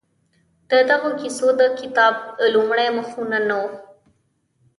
د دغو کیسو د کتاب لومړي مخونه نه وو؟